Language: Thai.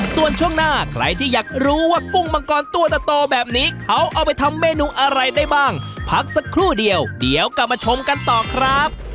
ส่วนช่วงหน้าใครที่อยากรู้ว่ากุ้งมังกรตัวโตแบบนี้เขาเอาไปทำเมนูอะไรได้บ้างพักสักครู่เดียวเดี๋ยวกลับมาชมกันต่อครับ